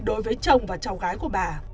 đối với chồng và cháu gái của bà